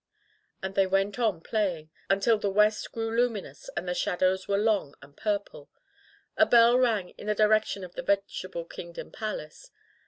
And they went on playing until the west grew luminous and the shadows were long and purple. A bell rang in the direction of the Vegetable Kingdom Palace.